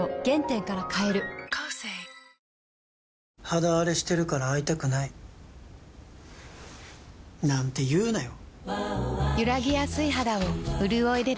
肌あれしてるから会いたくないなんて言うなよ